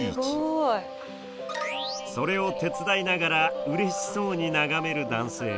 それを手伝いながらうれしそうに眺める男性